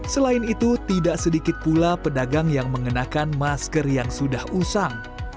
selain itu tidak sedikit pula pedagang yang mengenakan masker yang sudah usang